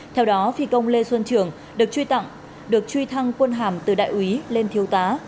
theo đó phi công lê xuân trường được truy thăng quân hàm từ đại úy lên thiếu tá